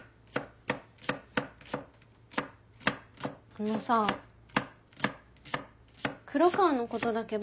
あのさ黒川のことだけど。